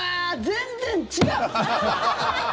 全然違う！